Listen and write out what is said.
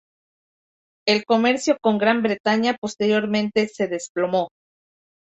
El comercio con Gran Bretaña posteriormente se desplomó.